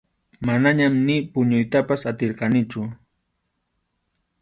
Manañam ni puñuytapas atirqanichu.